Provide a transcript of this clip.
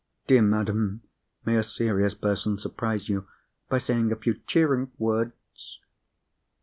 "Dear madam, may a serious person surprise you by saying a few cheering words?"